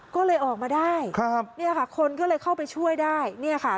ก็เลยออกมาได้ครับเนี่ยค่ะคนก็เลยเข้าไปช่วยได้เนี่ยค่ะ